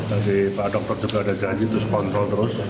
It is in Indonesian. jadi pak dokter juga ada janji terus kontrol terus